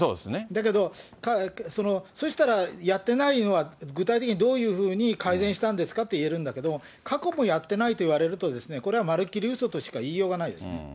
だけど、そしたらやってないのは、具体的にどういうふうに改善したんですかといえるんだけれども、過去もやってないと言われると、これはまるっきりうそとしか言いようがないですね。